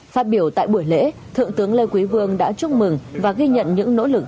phát biểu tại buổi lễ thượng tướng lê quý vương đã chúc mừng và ghi nhận những nỗ lực